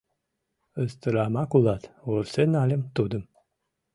«Ыстырамак улат, — вурсен нальым тудым.